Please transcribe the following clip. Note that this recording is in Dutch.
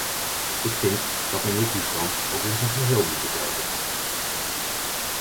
Ik vind dat men de toestand ook in zijn geheel moet bekijken.